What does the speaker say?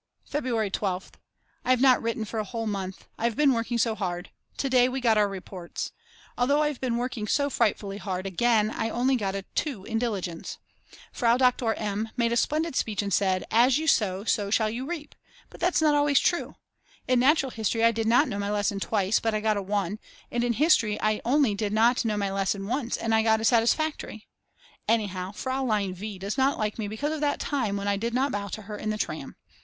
February 12th. I have not written for a whole month, I've been working so hard. To day we got our reports. Although I've been working so frightfully hard, again I only got a 2 in Diligence. Frau Doktor M. made a splendid speech and said: As you sow, so you shall reap. But that's not always true. In Natural History I did not know my lesson twice but I got a 1, and in History I only did not know my lesson once and I got Satisfactory. Anyhow Fraulein V. does not like me because of that time when I did not bow to her in the tram.